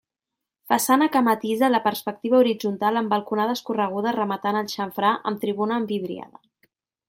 Façana que matisa la perspectiva horitzontal amb balconades corregudes rematant el xamfrà amb tribuna envidriada.